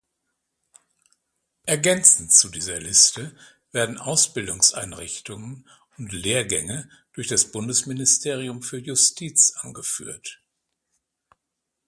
Ergänzend zu dieser Liste werden Ausbildungseinrichtungen und Lehrgänge durch das Bundesministerium für Justiz angeführt.